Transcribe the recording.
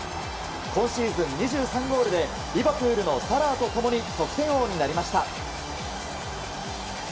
今シーズン２３ゴールでリバプールのサラーと共に得点王になりました。